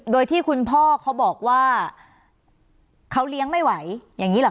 โดยที่คุณพ่อเขาบอกว่าเขาเลี้ยงไม่ไหวอย่างนี้หรอค